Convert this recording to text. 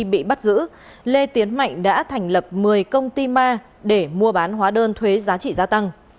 bị bắt giữ lê tiến mạnh đã thành lập một mươi công ty ma để mua bán hóa đơn thuế giá trị gia tăng